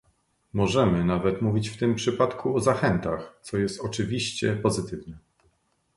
Możemy nawet mówić w tym przypadku o zachętach, co jest oczywiście pozytywne